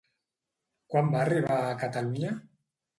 Quan va arribar a Catalunya?